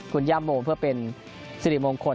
คุณย่าโมเพื่อเป็นสิริมงคล